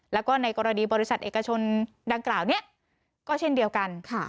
แล้วก็ในกรณีบริษัทเอกชนดังกล่าวนี้ก็เช่นเดียวกัน